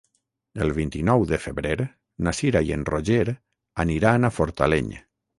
El vint-i-nou de febrer na Cira i en Roger aniran a Fortaleny.